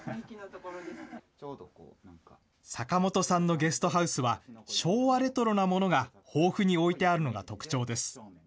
坂本さんのゲストハウスは、昭和レトロなものが豊富に置いてあるのが特徴です。